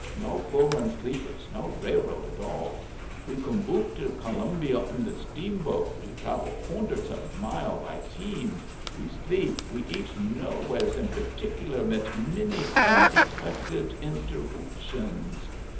No Pullman sleepers, no railroad at all. We come oop the Columbia in the steamboat, we travel hoonderts of miles by team, we sleep, we eat nowheres in particular mit many unexpected interooptions.